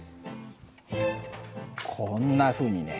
こんなふうにね